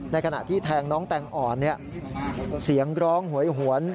ขณะที่แทงน้องแตงอ่อนเสียงร้องหวยหวน